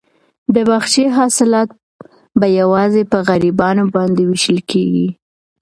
د باغچې حاصلات به یوازې په غریبانو باندې وېشل کیږي.